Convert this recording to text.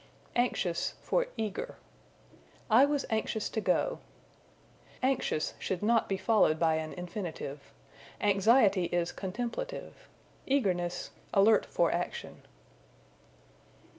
Anxious for Eager. "I was anxious to go." Anxious should not be followed by an infinitive. Anxiety is contemplative; eagerness, alert for action.